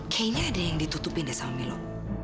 kayaknya ada yang ditutupin deh sama milo